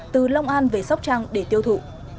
từ long an về sóc trăng để tiêu thụ